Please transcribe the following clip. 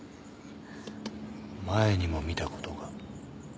前にも見たことが？